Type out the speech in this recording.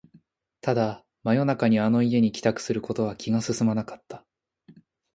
ただ、真夜中にあの家に帰宅することは気が進まなかった